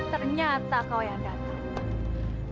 ternyata kau yang datang